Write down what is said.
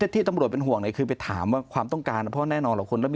ที่ตำหรวดเป็นห่วงคือไปถามว่าความต้องการพอแน่นอนเหรอคุณ